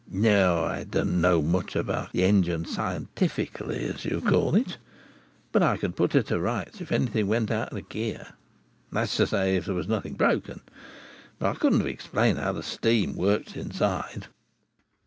No, I didn't know much about the engine scientifically, as you call it; but I could put her to rights if anything went out of gear—that is to say, if there was nothing broken—but I couldn't have explained how the steam worked inside.